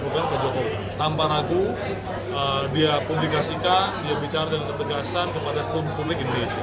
program ke jokowi tanpa ragu dia publikasikan dia bicara dengan ketegasan kepada publik indonesia